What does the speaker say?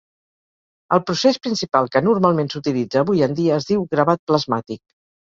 El procés principal que normalment s'utilitza avui en dia es diu gravat plasmàtic.